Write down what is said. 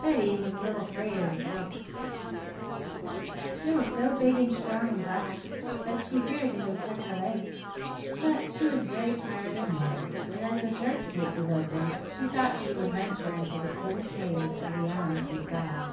Betty was a little afraid of rooks; they were so big and strong and black that she feared they would peck her legs; but she was very tired and warm, and as the church gate was open she thought she would venture into the cool shade of the elms inside.